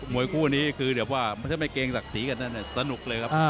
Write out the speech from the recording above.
วยคู่นี้คือแบบว่าไม่ใช่ไม่เกรงศักดิ์ศรีกันนั่นสนุกเลยครับ